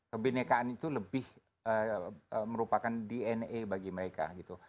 kebenekaan itu lebih merupakan dna bagi mereka gitu